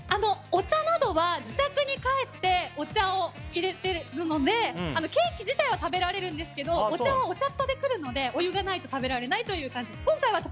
お茶などは自宅に帰ってお茶を入れるのでケーキ自体は食べられるんですけどお茶はお茶っ葉で来るのでお湯がないと食べられないという感じです。